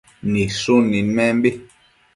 Nidshun nidmenbi